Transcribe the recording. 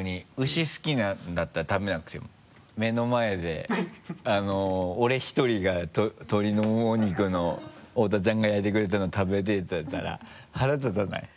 牛好きなんだったら食べなくても目の前で俺１人が鶏のモモ肉の大田ちゃんが焼いてくれたの食べてたら腹立たない？